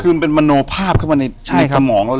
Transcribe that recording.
คือเป็นมโนภาพเข้ามาในจมองแล้วเลย